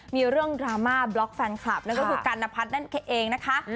มีเรื่องดราม่าบล็อกแฟนคลับนั่นก็คือกัณพัฒน์นั่นเองนะคะ